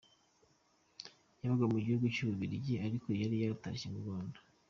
Yabaga mu gihugu cy’Ububiligi ariko yari yaratashye mu Rwanda.